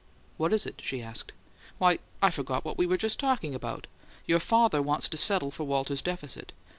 "What is it?" she asked. "Why, I forgot what we were just talking about! Your father wants to settle for Walter's deficit.